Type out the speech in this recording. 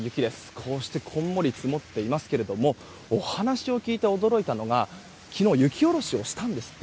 こうしてこんもり積もっていますがお話を聞いて驚いたのが昨日雪下ろしをしたんですって。